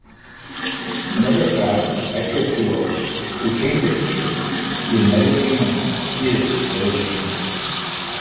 Another fast and accurate tool for gene prediction in metagenomes is MetaGeneMark.